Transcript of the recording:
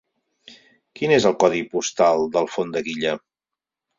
Quin és el codi postal d'Alfondeguilla?